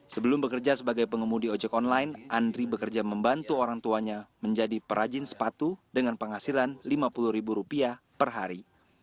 sebelum bekerja sebagai pengemudi ojek online andri bekerja membantu orang tuanya menjadi perajin sepatu dengan penghasilan lima puluh ribu rupiah per hari